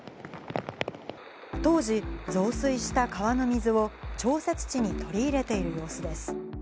当時、増水した川の水を調節池に取り入れている様子です。